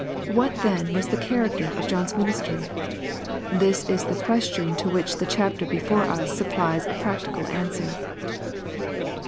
What then was the character of John^s ministry ? This is the ques tion to which the chapter before us supplies a practical answer.